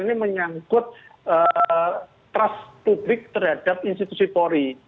ini menyangkut trust publik terhadap institusi polri